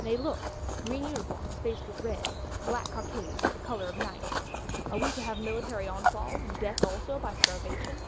Nay, look: green uniforms faced with red; black cockades,—the colour of Night! Are we to have military onfall; and death also by starvation?